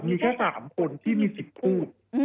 มีแค่๓คนที่มี๑๐ผู้